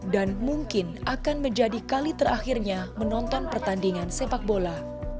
dan mungkin akan menjadi kali terakhirnya menonton pertandingan sepak bola